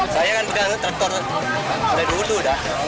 saya kan udah traktor dari dulu dah